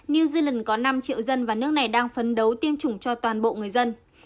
new zealand có năm triệu dân và nước này đang phấn đấu tiêm chủng cho toàn bộ người dân